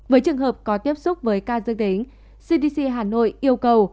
với trường hợp có tiếp xúc với ca dương tính cdc hà nội yêu cầu